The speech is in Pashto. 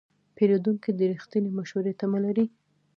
پیرودونکی د رښتینې مشورې تمه لري.